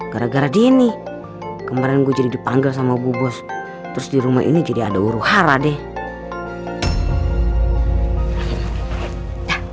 gara gara dini kemarin gue jadi dipanggil sama bu bos terus di rumah ini jadi ada uruhara deh